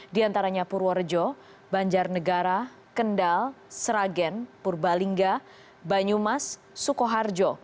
diantaranya purworejo banjarnegara kendal seragen purbalinga banyumas sukoharjo